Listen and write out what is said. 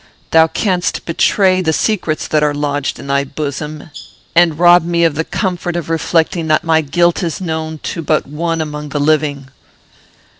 Thou canst betray the secrets that are lodged in thy bosom, and rob me of the comfort of reflecting that my guilt is known but to one among the living."